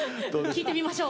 聴いてみましょう。